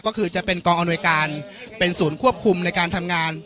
ก็คือจะเป็นกองอำนวยการเป็นศูนย์ควบคุมในการทำงาน